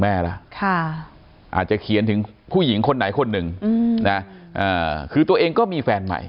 ล่ะอาจจะเขียนถึงผู้หญิงคนไหนคนหนึ่งนะคือตัวเองก็มีแฟนใหม่